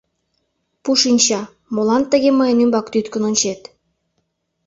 — Пу шинча, молан тыге мыйын ӱмбак тӱткын ончет?